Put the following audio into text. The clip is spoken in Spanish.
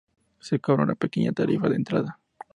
Se cobra una pequeña tarifa de entrada.